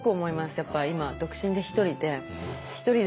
やっぱ今独身で一人で。